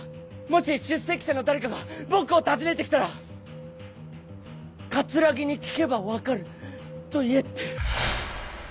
もし出席者の誰かが僕を訪ねて来たら「桂木に聞けば分かると言え」って。